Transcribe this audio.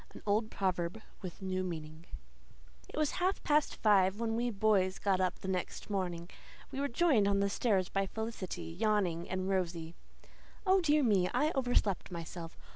AN OLD PROVERB WITH A NEW MEANING It was half past five when we boys got up the next morning. We were joined on the stairs by Felicity, yawning and rosy. "Oh, dear me, I overslept myself.